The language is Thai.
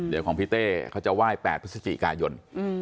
เดี๋ยวของพี่เต้เขาจะไหว้๘พฤศจิกายน